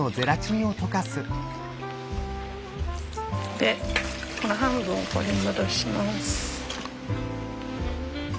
でこの半分これに戻します。